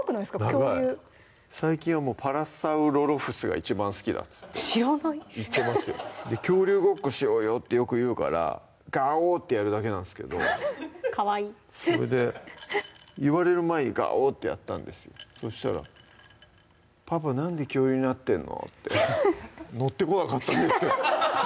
恐竜長い最近はもうパラサウロロフスが一番好きだっつって知らない言ってますよ「恐竜ごっこしようよ」ってよく言うから「ガオ」ってやるだけなんですけどかわいいそれで言われる前に「ガオ」ってやったんですよそしたら「パパなんで恐竜になってんの？」って乗ってこなかったんですよ